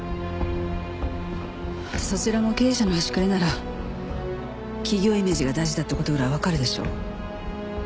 そちらも経営者の端くれなら企業イメージが大事だって事ぐらいわかるでしょ？